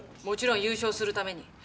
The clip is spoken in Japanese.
もちろん優勝するために。